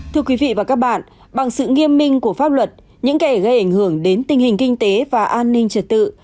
thưa quý vị và các bạn bằng sự nghiêm minh của pháp luật những kẻ gây ảnh hưởng đến tình hình kinh tế và an ninh trật tự